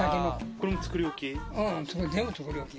これも作り置き？